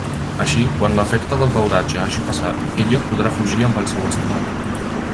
Així, quan l'efecte del beuratge hagi passat, ella podrà fugir amb el seu estimat.